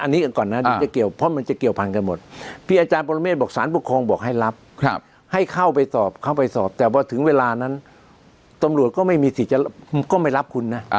ละพี่อาจารย์บรรมเมฆบอกสารปกครองบอกให้รับให้เข้าไปสอบเข้าไปสอบแต่พอถึงเวลานั้นตำรวจก็ไม่มีสิทธิ์จะลบก็ไม่รับคุณนะ